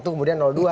satu kemudian dua